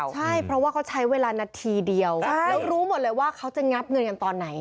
ใช่เพราะว่าเขาใช้เวลานาทีเดียวแล้วรู้หมดเลยว่าเขาจะงับเงินกันตอนไหน